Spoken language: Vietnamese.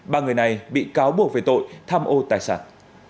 ba người này bị cáo buộc về tội tham ô tài sản